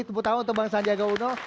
tepuk tangan untuk bang sandi aga uno